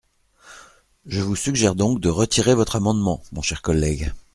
Je vous suggère donc de retirer votre amendement, mon cher collègue.